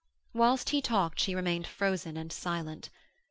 Whilst he talked she remained frozen and silent.